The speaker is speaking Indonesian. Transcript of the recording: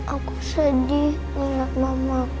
aku sedih ngeliat mama